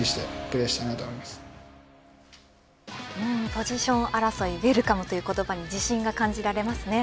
ポジション争いウェルカムという言葉に自信が感じられますね。